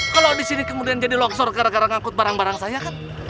kalau di sini kemudian jadi longsor gara gara ngangkut barang barang saya kan